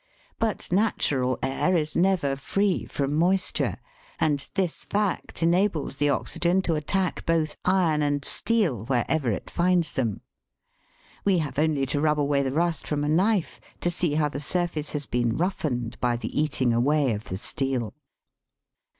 But natural air is never free from moisture, and this fact enables the oxygen to attack both iron and steel wherever it finds them. We have only to rub away the rust from 30 THE WORLD'S LUMBER ROOM. a knife to see how the surface has been roughened by the eating away of the steel.